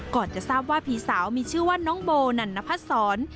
จะทราบว่าผีสาวมีชื่อว่าน้องโบนันนพัดศร